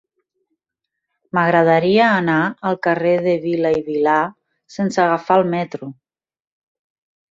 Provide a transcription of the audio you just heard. M'agradaria anar al carrer de Vila i Vilà sense agafar el metro.